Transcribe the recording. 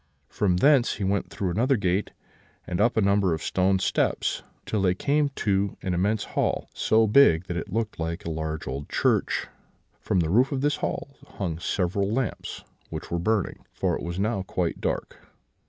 From thence he went through another gate, and up a number of stone steps, till they came to an immense hall, so big that it looked like a large old church; from the roof of this hall hung several lamps, which were burning, for it was now quite dark.